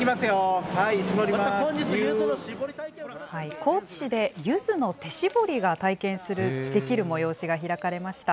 高知市でゆずの手搾りが体験できる催しが開かれました。